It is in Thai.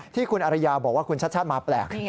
ที่คุณอรัยาบอกว่าคุณชัดมาแปลก